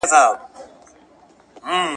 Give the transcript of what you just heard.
د رییس غږ واوره او عمل وکړه.